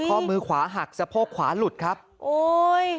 ข้อมือขวาหักสะโพกขวาหลุดครับโอ้ย